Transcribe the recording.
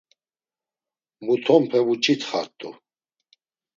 “Mutonpe vuç̌itxart̆u.”